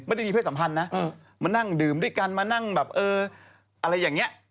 ไม่ได้มีเพศสัมพันธ์นะมานั่งดื่มด้วยกันมานั่งแบบเอออะไรอย่างนี้